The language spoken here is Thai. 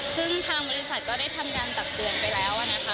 ซึ่งทางบริษัทก็ได้ทำการตักเตือนไปแล้วนะคะ